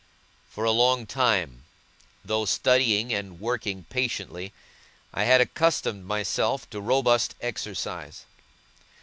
For a long time, though studying and working patiently, I had accustomed myself to robust exercise.